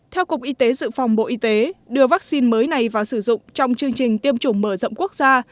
theo cục y tế dự phòng bộ y tế đưa vaccine mới này vào sử dụng trong chương trình tiêm chủng mở rộng quốc gia